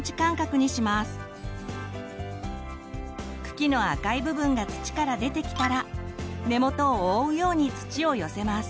茎の赤い部分が土から出てきたら根元を覆うように土を寄せます。